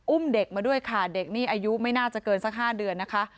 อุ้มเด็กมาด้วยค่ะเด็กนี่อายุไม่น่าจะเกินสัก๕เดือนนะคะ